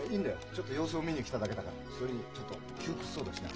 ちょっと様子を見に来ただけだから。それにちょっと窮屈そうだしな。